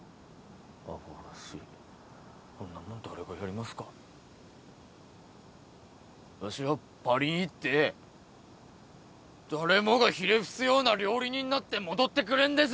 アホらしいほんなもん誰がやりますかわしはパリに行って誰もがひれ伏すような料理人なって戻ってくるんです